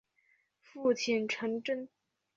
父亲陈贞。